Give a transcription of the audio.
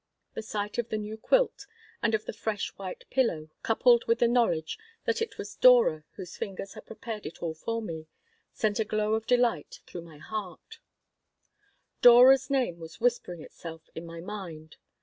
The sight of the new quilt and of the fresh white pillow, coupled with the knowledge that it was Dora whose fingers had prepared it all for me, sent a glow of delight through my heart Dora's name was whispering itself in my mind.